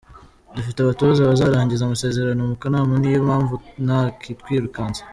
Dufite abatoza bazarangiza amasezerano mu kanama niyo mpamvu ntakitwirukansa.